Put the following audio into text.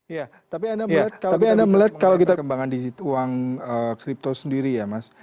iya tapi anda melihat kalau kita kembangkan di uang kripto sendiri ya mas